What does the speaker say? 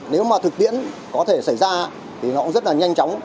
nếu mà thực tiễn có thể xảy ra thì nó cũng rất là nhanh chóng